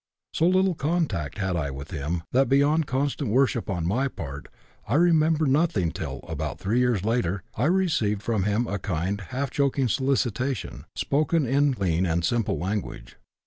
So little contact had I with him that beyond constant worship on my part I remember nothing till, about three years later, I received from him a kind, half joking solicitation, spoken in clean and simple language.